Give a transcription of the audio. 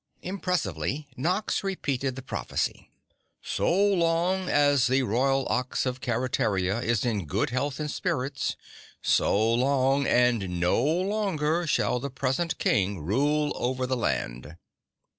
Impressively Nox repeated the prophecy: "So long as the Royal Ox of Keretaria is in good health and spirits, so long and no longer shall the present King rule over the Land."